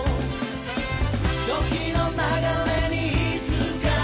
「ときの流れにいつか」